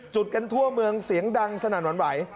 จุดกันทั่วเมืองเสียงดังสนั่นหวั่นไหว